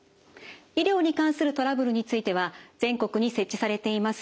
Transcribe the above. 医療に関するトラブルについては全国に設置されています